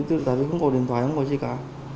tự tại vì không có điện thoại không có gì cả